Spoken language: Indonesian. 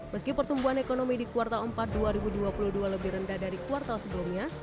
meski pertumbuhan ekonomi di kuartal empat dua ribu dua puluh dua lebih rendah dari kuartal sebelumnya